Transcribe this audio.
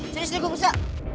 serius nih gua bisa